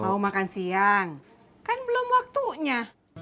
mau makan siang kan belum waktunya